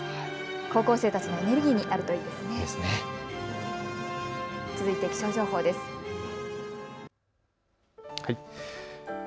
高校生たちのエネルギーになるといいですね。